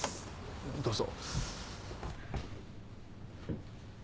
どうぞ。